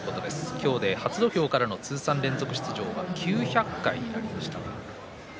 今日で初土俵からの通算連続出場が９００回になりました。